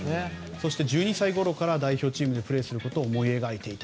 そして１２歳ごろから代表チームでプレーすることを思い描いていた。